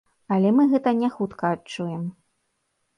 Але мы гэта не хутка адчуем.